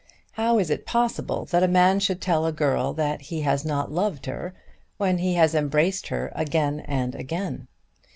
How is it possible that a man should tell a girl that he has not loved her, when he has embraced her again and again?